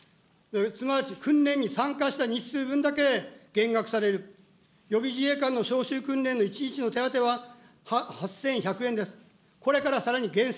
すなわち訓練に参加した日数分だけ減額される、予備自衛官の召集訓練の１日の手当は、８１００円です。